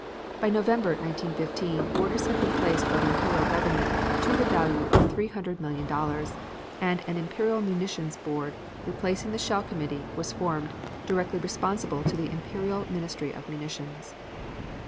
By November, 1915, orders had been placed by the Imperial Government to the value of $300,000,000, and an Imperial Munitions Board, replacing the shell committee, was formed, directly responsible to the Imperial Ministry of Munitions.